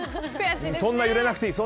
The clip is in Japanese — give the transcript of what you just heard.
そんな揺れなくていい！